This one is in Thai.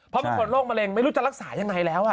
เพราะเป็นคนโรคมะเร็งไม่รู้จะรักษายังไงแล้ว